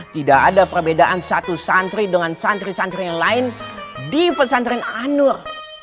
tidak ada perbedaan satu santri dengan santri santri yang lain di pesantren anur